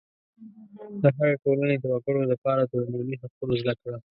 د هرې ټولنې د وګړو دپاره د عمومي حقوقو زده کړه